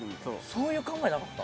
そういう考えなかった。